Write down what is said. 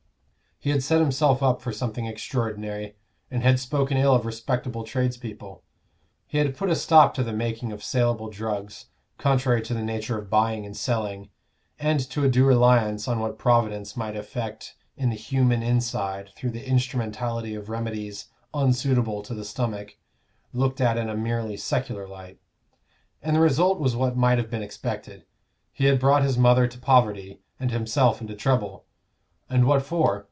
He had set himself up for something extraordinary, and had spoken ill of respectable trades people. He had put a stop to the making of saleable drugs, contrary to the nature of buying and selling, and to a due reliance on what Providence might effect in the human inside through the instrumentality of remedies unsuitable to the stomach, looked at in a merely secular light; and the result was what might have been expected. He had brought his mother to poverty, and himself into trouble. And what for?